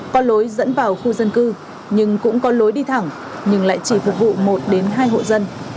có lối dẫn vào khu dân cư nhưng cũng có lối đi thẳng nhưng lại chỉ phục vụ một đến hai hộ dân